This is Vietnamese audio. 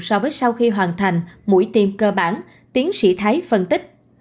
so với sau khi hoàn thành mũi tiêm cơ bản tiến sĩ thái phân tích